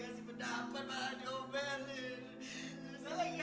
nanti kita bicarakan bersama ya